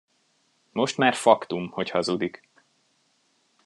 Most már faktum, hogy hazudik.